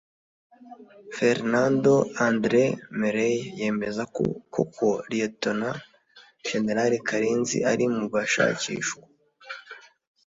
Fernando Andreu Merelles yemeza ko koko Lt Gen Karenzi ari mu bashakishwa